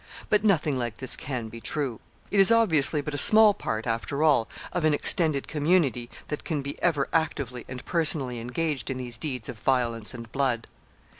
But nothing like this can be true. It is obviously but a small part, after all, of an extended community that can be ever actively and personally engaged in these deeds of violence and blood.